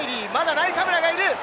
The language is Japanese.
ナイカブラがいる！